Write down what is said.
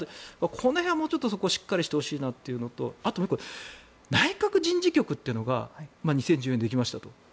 この辺はもうちょっとしっかりしてほしいなというのとあと、もう１個内閣人事局というのが２０１４年にできましたと。